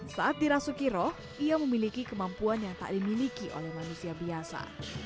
saat dirasuki roh ia memiliki kemampuan yang tak dimiliki oleh manusia biasa